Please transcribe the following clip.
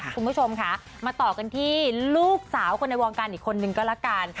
คุณผู้ชมค่ะมาต่อกันที่ลูกสาวคนในวงการอีกคนนึงก็ละกัน